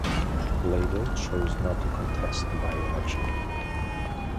Labor chose not to contest the by-election.